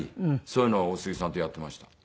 そういうのを大杉さんとやっていました。